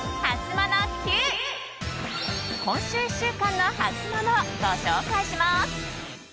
今週１週間のハツモノをご紹介します。